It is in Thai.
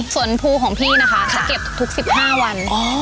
ส่วนภูของพี่นะคะจะเก็บทุก๑๕วัน